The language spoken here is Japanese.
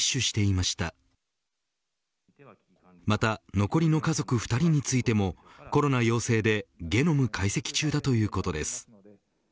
また残りの家族２人についてもコロナ陽性でゲノム解析中だということです。